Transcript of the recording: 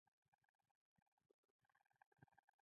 عاجزي د انسان ارزښت لوړوي.